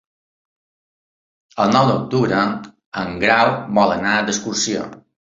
El nou d'octubre en Grau vol anar d'excursió.